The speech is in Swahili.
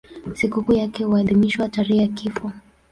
Sikukuu yake huadhimishwa tarehe ya kifo.